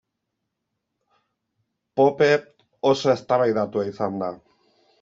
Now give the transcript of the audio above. Pope oso eztabaidatua izan da.